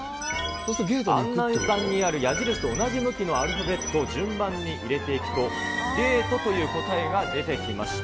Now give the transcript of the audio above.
案内板にある矢印と同じ向きのアルファベットを順番に入れていくと、ＧＡＴＥという答えが出てきました。